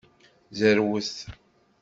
Zerwet.